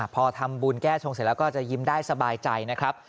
พอทำบุญแก้ชงเสร็จแล้วก็จะยิ้มได้สบายใจนะครับ